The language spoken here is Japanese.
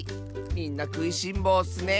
みんなくいしんぼうッスね！